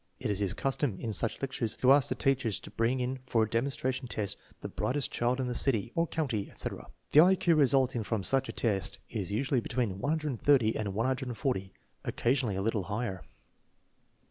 It is his custom, in such lectures, to ask the teachers to bring in for a demonstration test the " brightest child in the city " (or county, etc.). The I Q resulting from such a test is usually between 130 and 140, occasionally a little higher.